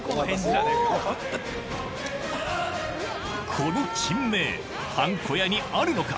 この珍名はんこ屋にあるのか？